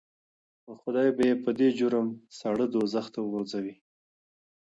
خدای بې په دې جرم ساړه دوزخ ته وغورځوي